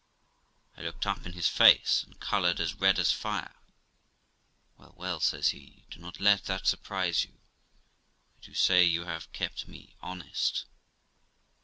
I looked up in his face, and coloured as red as fire. 'Well, well', says he, 'do not let that surprise you, I do say you have kept me honest.'